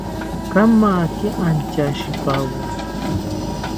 Kamaki anchashipawo